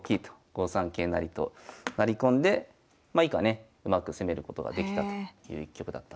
５三桂成と成り込んでまあ以下ねうまく攻めることができたという一局だったんです。